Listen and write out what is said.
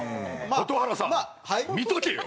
蛍原さん見とけよ！